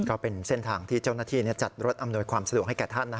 ก็เป็นเส้นทางที่เจ้าหน้าที่จัดรถอำนวยความสะดวกให้แก่ท่าน